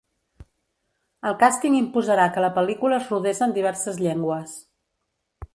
El càsting imposarà que la pel·lícula es rodés en diverses llengües.